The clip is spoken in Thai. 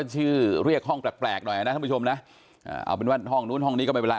ชื่อเรียกห้องแปลกหน่อยนะท่านผู้ชมนะเอาเป็นว่าห้องนู้นห้องนี้ก็ไม่เป็นไร